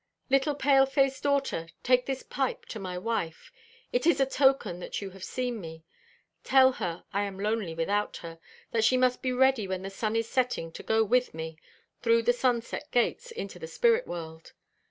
"Little pale face daughter, take this pipe to my wife. It is a token that you have seen me. Tell her I am lonely without her; that she must be ready when the sun is setting to go with me, through the sunset gates, into the spirit world.